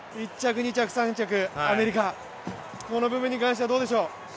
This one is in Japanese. １着、２着、３着、アメリカ、この部分に関してはどうでしょう？